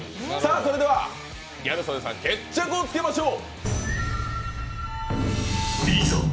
それではギャル曽根さん決着をつけましょう。